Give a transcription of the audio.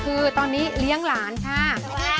คือเรียงหลานค่ะ